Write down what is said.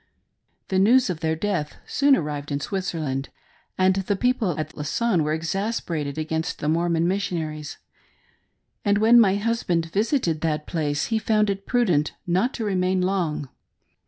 The news of their death soon arrived in Switzerland, and the people at Lausanne were exasperated against the Mormon Missionaries, and when my husband visited that place he found it prudent not to remain long.